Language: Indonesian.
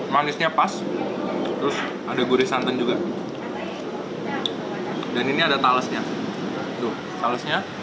manisnya pas terus ada gurih santan juga dan ini ada talasnya tuh sausnya